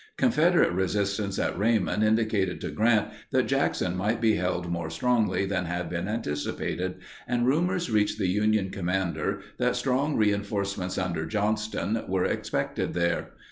Confederate resistance at Raymond indicated to Grant that Jackson might be held more strongly than had been anticipated, and rumors reached the Union Commander that strong reinforcements under Johnston were expected there.